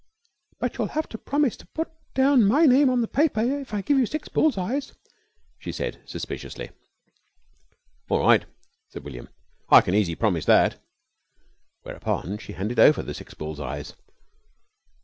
"But you'll have to promise to put down my name on the paper if I give you six bull's eyes," she said suspiciously. "All right," said William. "I can easy promise that." Whereupon she handed over the six bull's eyes.